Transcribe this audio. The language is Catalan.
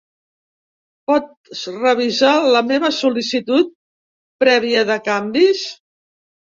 Pots revisar la meva sol·licitud prèvia de canvis?